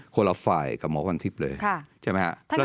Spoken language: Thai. คนละฝ่ายกับหมอควันทิพย์เลยใช่ไหมภ่ะ